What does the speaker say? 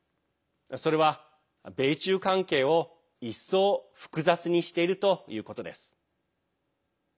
それは、米中関係を一層複雑にしているということです。